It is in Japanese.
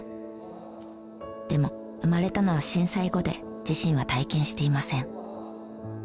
でも生まれたのは震災後で自身は体験していません。